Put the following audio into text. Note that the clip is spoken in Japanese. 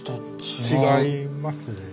違います